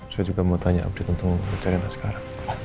saya juga mau tanya abdit untuk mencarinya sekarang